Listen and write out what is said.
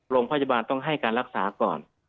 โรงพยาบาลต้องให้การรักษาก่อน